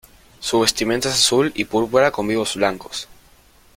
Su vestimenta es azul y púrpura con vivos blancos.